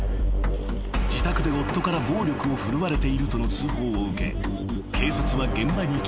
［自宅で夫から暴力を振るわれているとの通報を受け警察は現場に急行］